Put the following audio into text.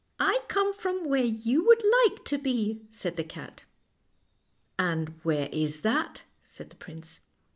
" I come from where you would like to be," said the cat, " And where is that? " said the prince.